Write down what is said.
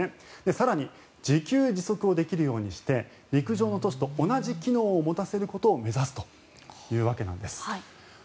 更に自給自足をできるようにして陸上の都市と同じ機能を持たせることを目指すということです。